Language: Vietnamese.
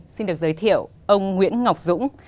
xin được giới thiệu ông nguyễn ngọc dũng